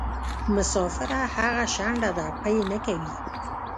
مسافره هغه شڼډه ده پۍ نکوي.